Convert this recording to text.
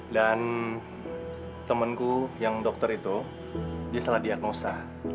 dan temenku yang dokter itu dia salah diagnosa